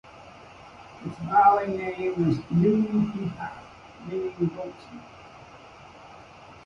Its Bai name is "youdbap", meaning "goat's milk".